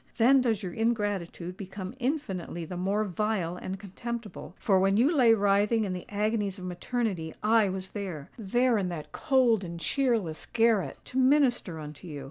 Then does your ingratitude become infinitely the more vile and contemptible. For when you lay writhing in the agonies of maternity, I was there,—there in that cold and cheerless garret,—to minister unto you!